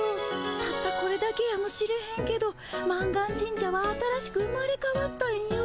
たったこれだけやもしれへんけど満願神社は新しく生まれかわったんよ。